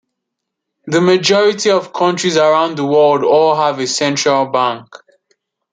The majority of countries around the world all have a central bank.